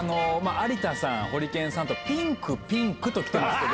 有田さん、ホリケンさんとピンクピンクと来てるんですけど。